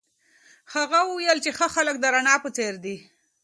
هغه وویل چي ښه خلک د رڼا په څېر دي.